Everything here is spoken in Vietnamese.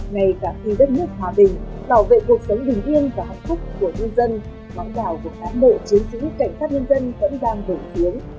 ngày cả khi đất nước hòa bình bảo vệ cuộc sống bình yên và hạnh phúc của nhân dân bóng đảo của cán bộ chiến sĩ cảnh sát nhân dân vẫn đang bổng tiến